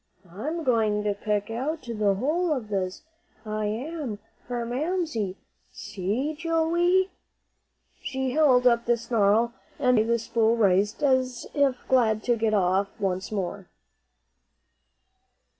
"I'm going to pick out the whole of this, I am, for Mamsie. See, Joey!" She held up the snarl, and away the spool raced, as if glad to get off once more.